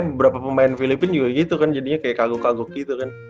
beberapa pemain filipina juga gitu kan jadinya kayak kaguk kaguk gitu kan